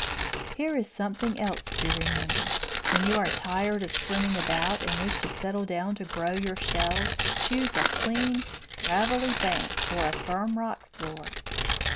Here is something else to remember. When you are tired of swimming about, and wish to settle down to grow your shells, choose a clean gravelly bank or a firm rock floor.